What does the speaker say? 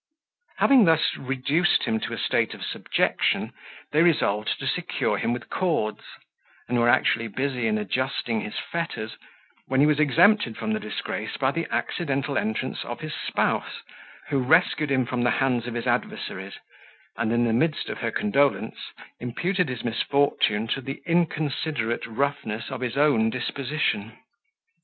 Having thus reduced him to a state of subjection, they resolved to secure him with cords, and were actually busy in adjusting his fetters, when he was exempted from the disgrace by the accidental entrance of his spouse, who rescued him from the hands of his adversaries, and, in the midst of her condolence, imputed his misfortune to the inconsiderate roughness of his own disposition.